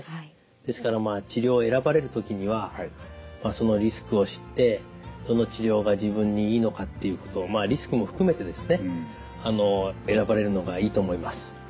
ですから治療を選ばれる時にはそのリスクを知ってどの治療が自分にいいのかっていうことをまあリスクも含めてですね選ばれるのがいいと思います。